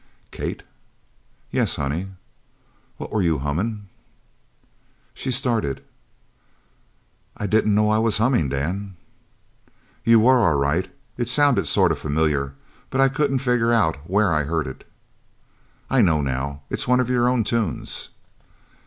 "Kate." "Yes honey!" "What were you hummin'?" She started. "I didn't know I was humming, Dan." "You were, all right. It sounded sort of familiar, but I couldn't figger out where I heard it." "I know now. It's one of your own tunes."